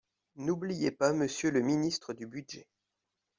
N’oubliez pas Monsieur le ministre du budget